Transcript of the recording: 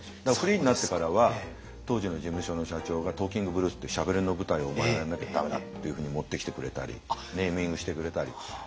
だからフリーになってからは当時の事務所の社長が「トーキングブルース」ってしゃべりの舞台をお前はやんなきゃダメだっていうふうに持ってきてくれたりネーミングしてくれたり。